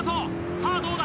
さぁどうだ？